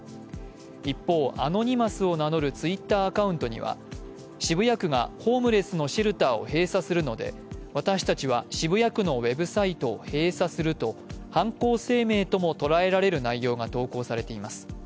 一方、アノニマスを名乗るＴｗｉｔｔｅｒアカウントには渋谷区がホームレスのシェルターを閉鎖するので私たちは渋谷区のウェブサイトを閉鎖すると犯行声明とも捉えられる内容が投稿されています。